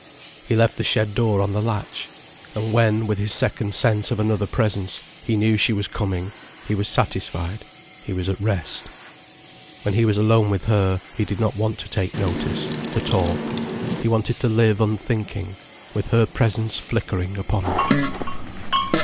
He left the shed door on the latch. And when, with his second sense of another presence, he knew she was coming, he was satisfied, he was at rest. When he was alone with her, he did not want to take notice, to talk. He wanted to live unthinking, with her presence flickering upon him.